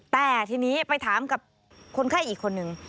แต่ทีนี้ไปถามกับคนไข้อีกคนนึง